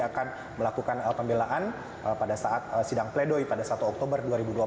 akan melakukan pembelaan pada saat sidang pledoi pada satu oktober dua ribu dua puluh